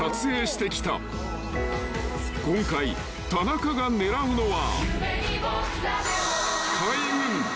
［今回田中が狙うのは］